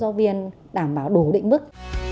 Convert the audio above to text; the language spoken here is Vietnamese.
giáo viên đảm bảo đủ định bức